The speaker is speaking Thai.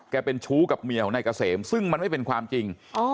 เป็นชู้กับเมียของนายเกษมซึ่งมันไม่เป็นความจริง